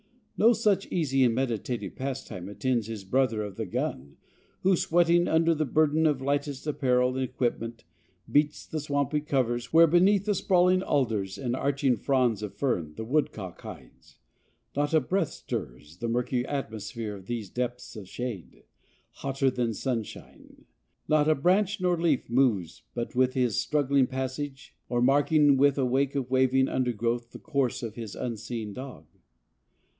No such easy and meditative pastime attends his brother of the gun who, sweating under the burden of lightest apparel and equipment, beats the swampy covers where beneath the sprawling alders and arching fronds of fern the woodcock hides. Not a breath stirs the murky atmosphere of these depths of shade, hotter than sunshine; not a branch nor leaf moves but with his struggling passage, or marking with a wake of waving undergrowth the course of his unseen dog.